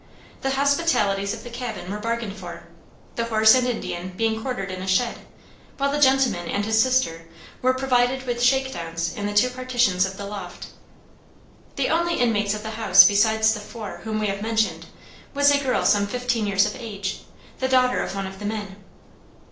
The hospitalities of the cabin were bargained for, the horses and Indian being quartered in a shed, while the gentleman and his sister were provided with shakedowns in the two partitions of the loft. The only inmates of the house besides the four whom we have mentioned was a girl some fifteen years of age, the daughter of one of the men.